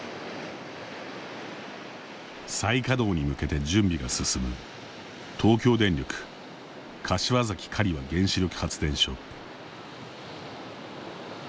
再稼働に向けて準備が進む東京電力・柏崎刈羽原子力発電所。